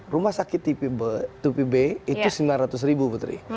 rumah sakit tipe dua b itu sembilan ratus ribu putri